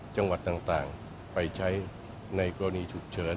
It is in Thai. จังหวัดต่างไปใช้ในกรณีฉุกเฉิน